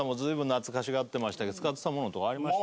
使ってたものとかありました？